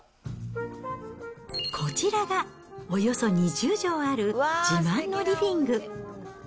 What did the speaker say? こちらが、およそ２０畳ある自慢のリビング。